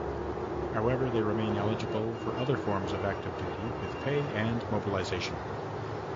However, they remain eligible for other forms of active duty with pay and mobilization.